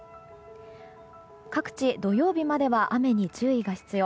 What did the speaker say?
各地、土曜日までは雨に注意が必要。